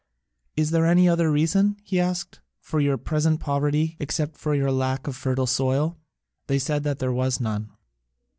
"Is there any other reason," he asked, "for your present poverty, except your lack of fertile soil?" They said that there was none.